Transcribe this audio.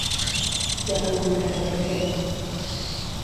Qui ha comunicat aquest fet?